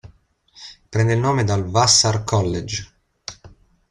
Prende il nome dal Vassar College.